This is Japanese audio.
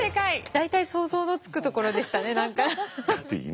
大体想像のつくところでしたね何か。